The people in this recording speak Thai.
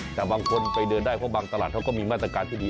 แต่บางคนไปเดินได้เพราะบางตลาดเขาก็มีมาตรการที่ดี